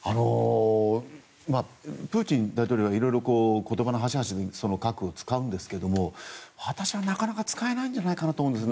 プーチン大統領はいろいろ言葉の端々に核を使うんですがなかなか使えないんじゃないかと思います。